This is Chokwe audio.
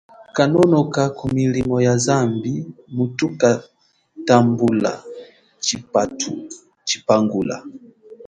Kononoka kumilimo ya zambi mutukatambula tshipangula.